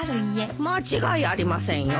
間違いありませんよ。